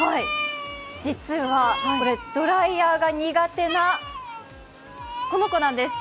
実はこれ、ドライヤーが苦手なこの子なんです。